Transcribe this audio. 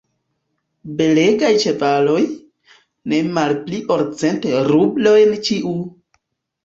Belegaj ĉevaloj, ne malpli ol cent rublojn ĉiu!